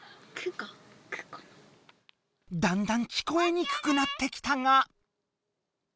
だんだん聞こえにくくなってきたが。